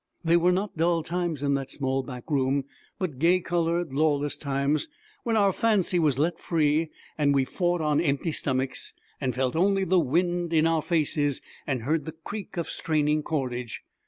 They were not dull times in that small back room, but gay colored, lawless times, when our fancy was let free, and we fought on empty stomachs, and felt only the wind in our faces, and heard the creak of straining cordage.